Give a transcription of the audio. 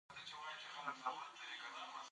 غنمرنګ يار ته چې ګورم حيرانېږم.